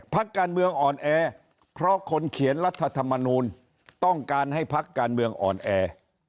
พักการเมืองอ่อนแอเพราะคนเขียนรัฐธรรมนูลต้องการให้พักการเมืองอ่อนแอ